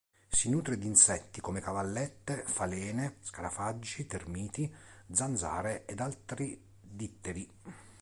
Si nutre di insetti come cavallette, falene, scarafaggi, termiti, zanzare ed altri ditteri.